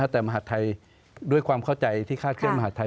แต่มหาดไทยด้วยความเข้าใจที่คาดเคลื่อนมหาดไทย